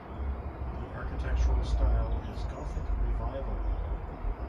The architectural style is Gothic Revival.